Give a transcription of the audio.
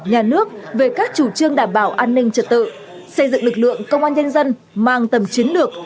nhà nước về các chủ trương đảm bảo an ninh trật tự xây dựng lực lượng công an nhân dân mang tầm chiến lược